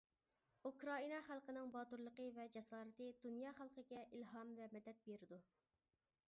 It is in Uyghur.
ئۇكرائىنا خەلقىنىڭ باتۇرلۇقى ۋە جاسارىتى دۇنيا خەلقىگە ئىلھام ۋە مەدەت بېرىدۇ .